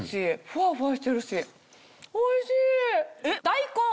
おいしい！